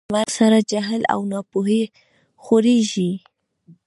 د عالم له مرګ سره جهل او نا پوهي خورېږي.